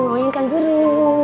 pengen kang guru